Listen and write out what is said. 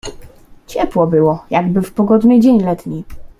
"Ciepło było, jakby w pogodny dzień letni."